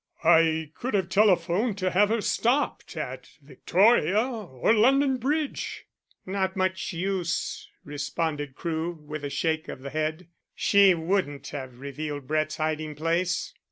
"I could have telephoned to have her stopped at Victoria or London Bridge." "Not much use," responded Crewe, with a shake of the head. "She wouldn't have revealed Brett's hiding place."